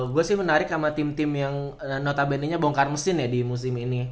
gue sih menarik sama tim tim yang notabene nya bongkar mesin ya di musim ini